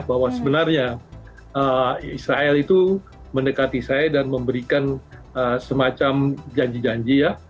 bahwa sebenarnya israel itu mendekati saya dan memberikan semacam janji janji ya